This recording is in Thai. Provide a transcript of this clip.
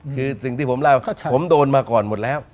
คือสิ่งที่ผมเล่าผมโดนมาก่อนหมดแล้ว